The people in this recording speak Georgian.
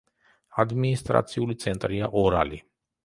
ადმინისტრაციული ცენტრია ორალი.